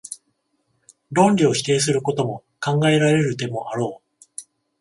論理を否定するとも考えられるでもあろう。